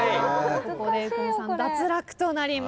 ここで右近さん脱落となります。